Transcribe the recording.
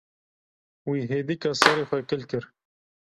Wî hêdîka serê xwe kil kir.